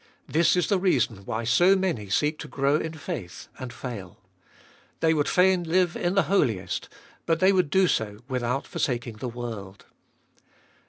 This is the reason why so many seek to grow in faith, and fail. They would fain live in the Holiest, but they would do so without forsaking the world.